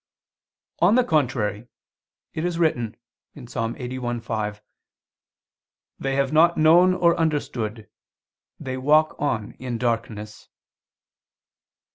On the contrary, It is written (Ps. 81:5): "They have not known or understood, they walk on in darkness."